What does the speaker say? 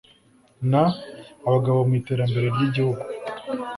n abagabo mu iterambere ry igihugu